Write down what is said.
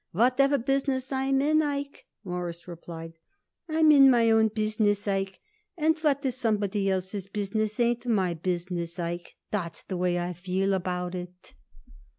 "Whatever business I'm in, Ike," Morris replied, "I'm in my own business, Ike; and what is somebody else's business ain't my business, Ike. That's the way I feel about it."